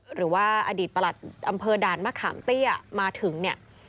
หรือว่าอดีตประหลัดอำเภอด่านมะขามเตี้ยมาถึงเนี่ย